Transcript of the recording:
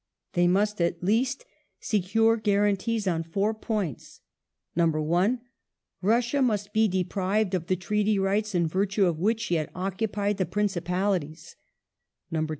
They must at least secure guarantees on four points :— 1. Russia must be deprived of the Treaty Rights in virtue of which she had occupied the Principalities ; 2.